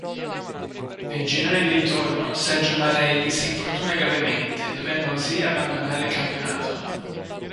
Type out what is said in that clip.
Nel girone di ritorno Sergio Marelli si infortuna gravemente, dovendo così abbandonare il campionato.